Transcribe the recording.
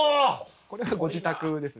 これはご自宅ですね。